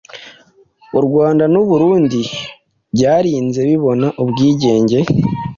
u Rwanda n'u Burundi byarinze bibona ubwigenge